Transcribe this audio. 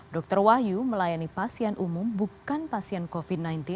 dr wahyu melayani pasien umum bukan pasien covid sembilan belas